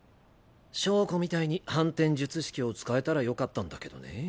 硝子みたいに反転術式を使えたらよかったんだけどねぇ。